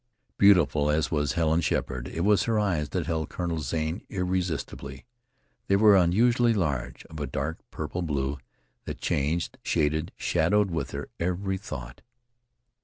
Beautiful as was Helen Sheppard, it was her eyes that held Colonel Zane irresistibly. They were unusually large, of a dark purple blue that changed, shaded, shadowed with her every thought.